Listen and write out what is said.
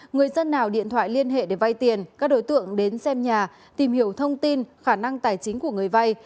người dân nào điện thoại liên hệ để vay tiền các đối tượng đến xem nhà tìm hiểu thông tin khả năng tài chính của người vay